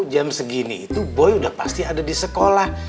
jam segini itu boy udah pasti ada di sekolah